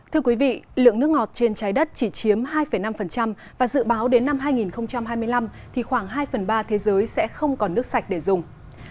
thưa quý vị lượng nước ngọt trên trái đất chỉ chiếm hai năm và dự báo đến năm hai nghìn hai mươi năm thì khoảng hai phần ba thế giới sẽ không còn nước sạch để dùng